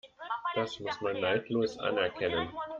Das muss man neidlos anerkennen.